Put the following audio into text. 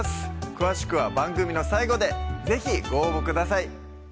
詳しくは番組の最後で是非ご応募ください